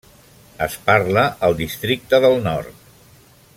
Es parla al Districte del Nord.